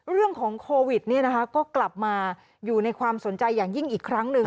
เรื่องของโควิดก็กลับมาอยู่ในความสนใจอย่างยิ่งอีกครั้งหนึ่ง